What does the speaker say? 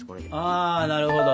ああなるほど。